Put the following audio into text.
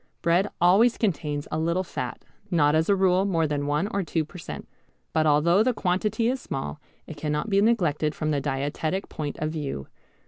Bread always contains a little fat, not as a rule more that one or two per cent. But although the quantity is small it cannot be neglected from the dietetic point of view.